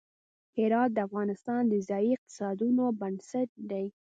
هرات د افغانستان د ځایي اقتصادونو بنسټ دی.